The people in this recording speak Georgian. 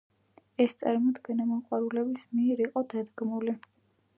ეს წარმოდგენა მოყვარულების მიერ იყო დადგმული.